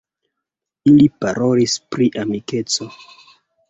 Ili parolis pri amikeco.